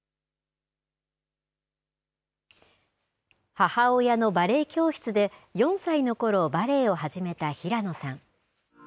母親のバレエ教室で、４歳のころ、バレエを始めた平野さん。